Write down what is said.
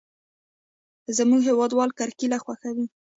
زموږ هېوادوال کرکېله خوښوي.